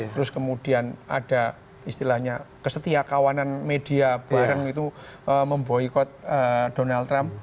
terus kemudian ada istilahnya kesetiakawanan media bareng itu memboykot donald trump